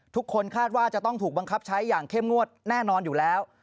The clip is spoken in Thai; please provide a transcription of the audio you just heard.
ทุกคนคาดว่าจะต้องถูกบังคับใช้อย่างเข้มงวดแน่นอนอยู่แล้ว